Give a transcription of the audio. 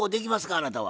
あなたは。